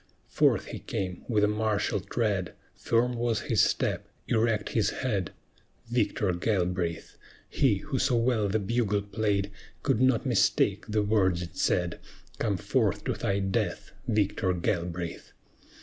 Forth he came, with a martial tread; Firm was his step, erect his head; Victor Galbraith, He who so well the bugle played, Could not mistake the words it said: "Come forth to thy death, Victor Galbraith!"